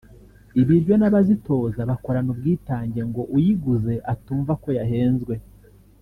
ibiryo n’abazitoza bakorana ubwitange ngo uyiguze atumva ko yahenzwe